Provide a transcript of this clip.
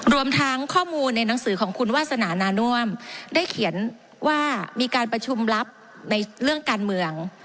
รวมทั้งข้อมูลในหนังสือของคุณวาสนานาน่วมได้เขียนว่ามีการประชุมลับในเรื่องการเมือง